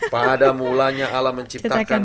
pada mulanya allah menciptakan